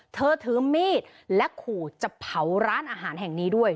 เธอถือมีดและขู่จะเผาร้านอาหารแห่งนี้ด้วย